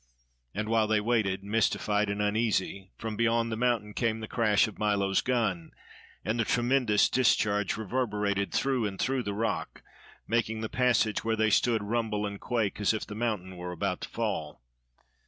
And while they waited, mystified and uneasy, from beyond the mountain came the crash of Milo's gun, and the tremendous discharge reverberated through and through the rock, making the passage where they stood rumble and quake as if the mountain were about to fall.